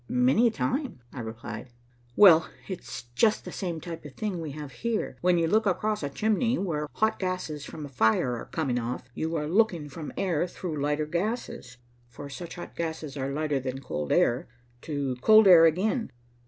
"Many a time," I replied. "Well, that's just the same type of thing we have here. When you look across a chimney, where hot gases from a fire are coming off, you are looking from air through lighter gases (for such hot gases are lighter than cold air) to cold air again.